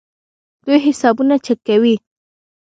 دوی حسابونه چک کوي.